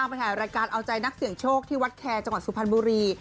ไปถ่ายรายการเอาใจนักเสี่ยงโชคที่วัดแคร์จังหวัดสุพรรณบุรี